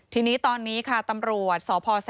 ทีนี้ตอนนี้ตำรวจ